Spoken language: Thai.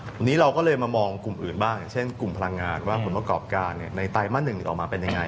วันนี้เราก็เลยมามองกลุ่มอื่นบ้างอย่างเช่นกลุ่มพลังงานว่าผลประกอบการในไตรมาส๑ออกมาเป็นยังไง